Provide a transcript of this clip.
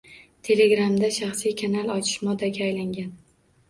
Telegramda shaxsiy kanal ochish modaga aylangan.